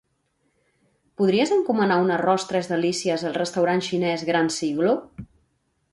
Podries encomanar un arròs tres delícies al restaurant xinès Gran Siglo?